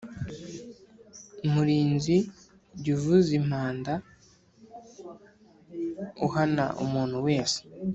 murinzi, jy’ uvuz’ impanda, uhana umuntu wese